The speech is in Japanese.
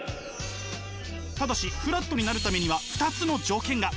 ただしフラットになるためには２つの条件が！